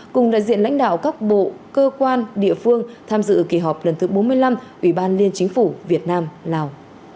cùng đại diện lãnh đạo các bộ cơ quan địa phương tham dự kỳ họp lần thứ bốn mươi năm ủy ban liên chính phủ việt nam lào